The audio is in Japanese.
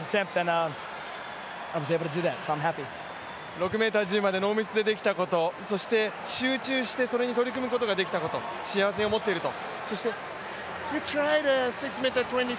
６ｍ１０までノーミスでできたこと、それに集中してそれに取り組むことができたこと、幸せに思っていると。